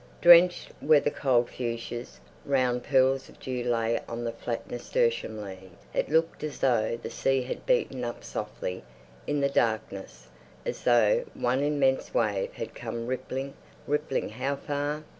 Drenched were the cold fuchsias, round pearls of dew lay on the flat nasturtium leaves. It looked as though the sea had beaten up softly in the darkness, as though one immense wave had come rippling, rippling—how far?